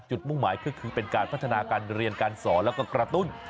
มุ่งหมายก็คือเป็นการพัฒนาการเรียนการสอนแล้วก็กระตุ้น